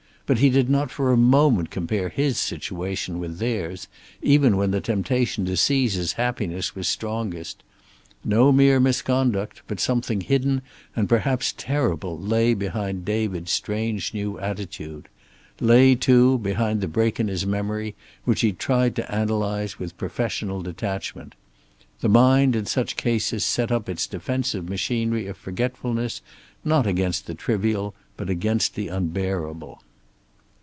But he did not for a moment compare his situation with theirs, even when the temptation to seize his happiness was strongest. No mere misconduct, but something hidden and perhaps terrible lay behind David's strange new attitude. Lay, too, behind the break in his memory which he tried to analyze with professional detachment. The mind in such cases set up its defensive machinery of forgetfulness, not against the trivial but against the unbearable.